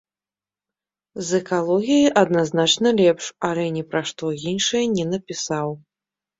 З экалогіяй адназначна лепш, але ні пра што іншае не напісаў.